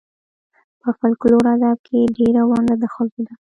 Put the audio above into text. په فولکور ادب کې ډېره ونډه د ښځو ده.